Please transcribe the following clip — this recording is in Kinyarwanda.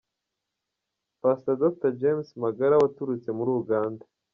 Pastor Dr. James Magara waturutse muri Uganda.